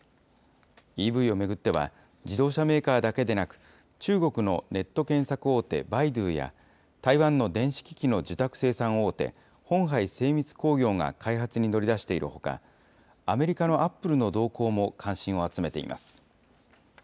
ＥＶを巡っては、自動車メーカーだけでなく、中国のネット検索大手、バイドゥや台湾の電子機器の受託生産大手、ホンハイ精密工業が開発に乗り出しているほか、アメリカのアップルの動向も関心を集めています。